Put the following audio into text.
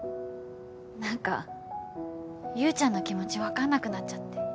何か優ちゃんの気持ち分かんなくなっちゃって。